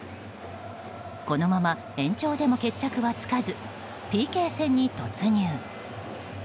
このまま延長での決着はつかずＰＫ戦に突入。